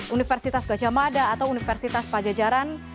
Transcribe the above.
universitas gajah mada atau universitas pajajaran